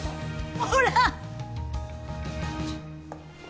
ほら。